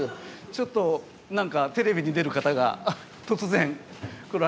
ちょっと何かテレビに出る方が突然来られました。